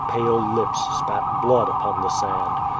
Pale lips spat blood upon tlie sand.